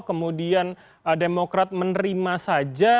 kemudian demokrat menerima saja